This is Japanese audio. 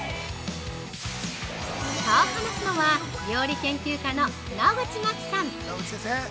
◆そう話すのは料理研究家の野口真紀さん。